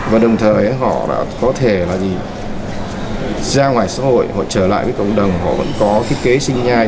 và đồng thời họ có thể ra ngoài xã hội trở lại với cộng đồng họ vẫn có kế sinh nhai